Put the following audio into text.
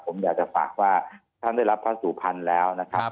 ผมอยากจะฝากว่าท่านได้รับพระสุพรรณแล้วนะครับ